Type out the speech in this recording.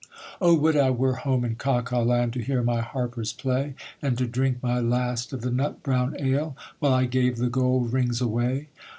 'Oh would I were home in Caucaland, To hear my harpers play, And to drink my last of the nut brown ale, While I gave the gold rings away.